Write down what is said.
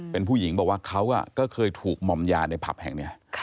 เป็นผู้หญิงบอกว่าเขาก็เคยถูกมอมยาในผับแห่งนี้